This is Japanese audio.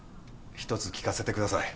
ひとつ聞かせてください。